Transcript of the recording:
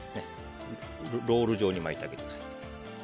ロール状に巻いてあげてください。